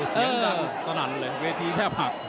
เสียงดังสนั่นเลยเวทีแทบหัก